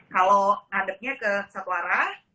kalau ngadepnya ke satu arah